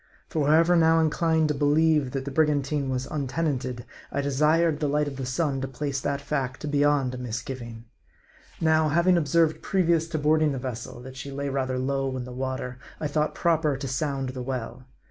For however now inclined to believe that the brigantine was untenanted, I desired the light of the sun to place that fact beyond a misgiving. Now, having observed, previous to boarding the vessel, that she lay rather low in the water, I thought proper to sound the well.